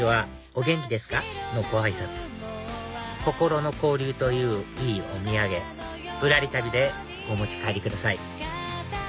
「お元気ですか？」のごあいさつ心の交流といういいお土産ぶらり旅でお持ち帰りください